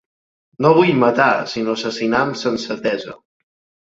No vull matar, sinó assassinar amb sensatesa.